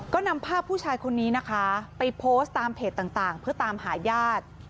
ก็นำภาพผู้ชายคนนี้นะคะไปโพสต์ตามเพจต่างเพื่อตามหาญาติ